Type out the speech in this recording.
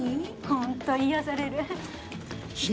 本当癒やされる。